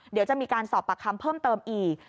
เดี๋ยวจะมีการสอบปากคำเพิ่มเติมอีก